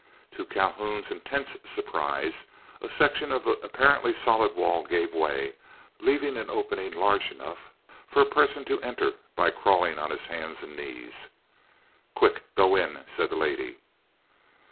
To Calhoun's intense surprise, a section of the apparently solid wall gave way, leaving an opening large enough for a person to enter by crawling on his hands and knees. "Quick, go in!" said the lady.